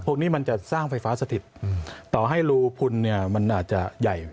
พวกนี้มันจะสร้างไฟฟ้าสถิตต่อให้รูพุนเนี่ยมันอาจจะใหญ่